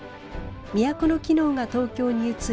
都の機能が東京に移り